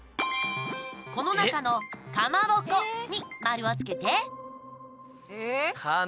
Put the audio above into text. この中の「かまぼこ」に丸をつけて。